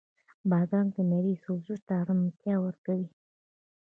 بادرنګ د معدې سوزش ته ارامتیا ورکوي.